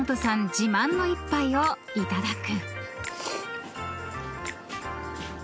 自慢の１杯をいただく］